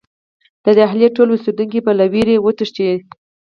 د ډهلي ټول اوسېدونکي به له وېرې وتښتي.